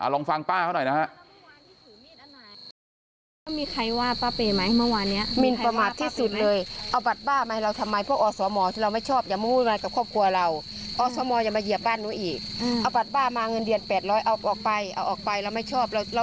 ลองฟังป้าเขาหน่อยนะฮะ